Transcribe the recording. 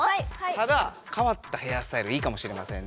ただかわったヘアスタイルいいかもしれません。